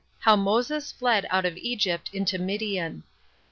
How Moses Fled Out Of Egypt Into Midian.